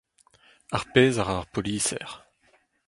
Ar pezh a ra ar poliser.